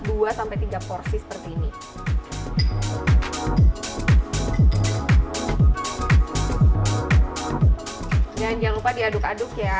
dua sampai tiga porsi seperti ini jangan lupa diaduk aduk ya